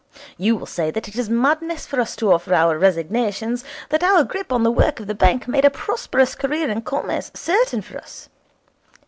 You will say that it is madness for us to offer our resignations, that our grip on the work of the bank made a prosperous career in Commerce certain for us.